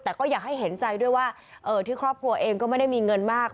แต่ก็อยากให้เห็นใจด้วยว่าที่ครอบครัวเองก็ไม่ได้มีเงินมาก